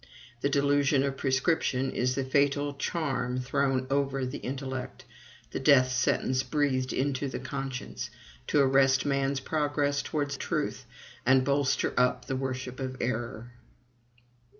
The delusion of prescription is the fatal charm thrown over the intellect, the death sentence breathed into the conscience, to arrest man's progress towards truth, and bolster up the worship of error.